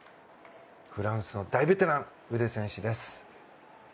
フランスの大ベテランウデ選手です。